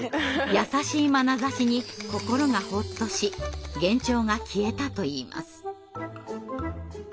優しいまなざしに心がほっとし幻聴が消えたといいます。